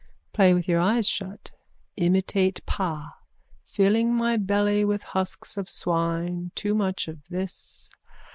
_ Play with your eyes shut. Imitate pa. Filling my belly with husks of swine. Too much of this.